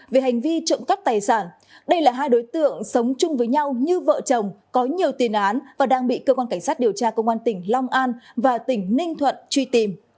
về hành vi trộm cắp tài sản đây là hai đối tượng sống chung với nhau như vợ chồng có nhiều tiền án và đang bị cơ quan cảnh sát điều tra công an tỉnh long an và tỉnh ninh thuận truy tìm